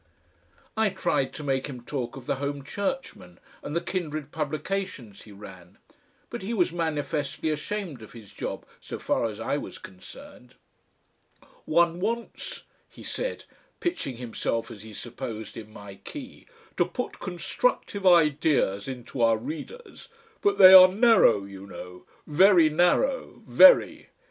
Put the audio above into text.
I tried to make him talk of the HOME CHURCHMAN and the kindred publications he ran, but he was manifestly ashamed of his job so far as I was concerned. "One wants," he said, pitching himself as he supposed in my key, "to put constructive ideas into our readers, but they are narrow, you know, very narrow. Very."